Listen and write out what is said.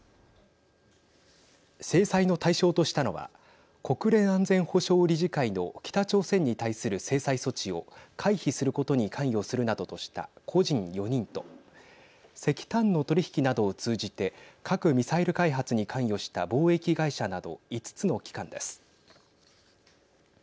制裁の対象としたのは国連安全保障理事会の北朝鮮に対する制裁措置を回避することに関与するなどとした個人４人と石炭の取り引きなどを通じて核・ミサイル開発に関与した貿易会社など５つの機関です。